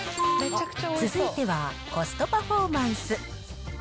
続いては、コストパフォーマンス。